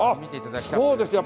そうです